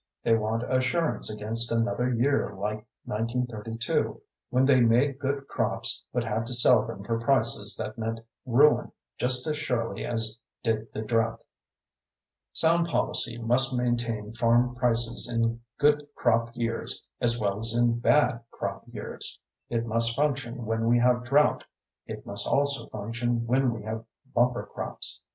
They want assurance against another year like 1932 when they made good crops but had to sell them for prices that meant ruin just as surely as did the drought. Sound policy must maintain farm prices in good crop years as well as in bad crop years. It must function when we have drought; it must also function when we have bumper crops.